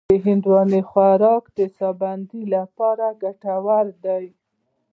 د هندواڼې خوراک د ساه بندۍ لپاره ګټور دی.